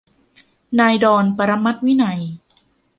นายดอน ปรมัตถ์วินัย